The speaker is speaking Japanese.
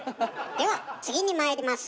では次にまいります！